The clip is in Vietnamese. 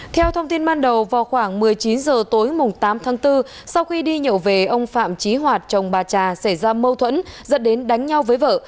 theo thông tin ban đầu vào khoảng một mươi chín h tối tám tháng bốn sau khi đi nhậu về ông phạm trí hoạt chồng bà trà xảy ra mâu thuẫn dẫn đến đánh nhau với vợ